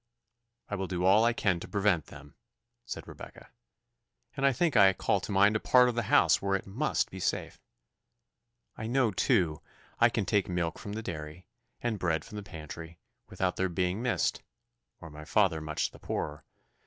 "I will do all I can to prevent them," said Rebecca; "and I think I call to mind a part of the house where it must be safe. I know, too, I can take milk from the dairy, and bread from the pantry, without their being missed, or my father much the poorer.